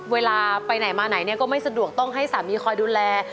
เวลาไปไหนมาไหนก็ไม่สะดวกต้องให้สามีคอยดูแล